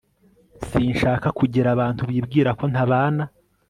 Sinshaka kugira abantu bibwira ko ntabana